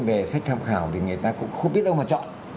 về sách tham khảo thì người ta cũng không biết đâu mà chọn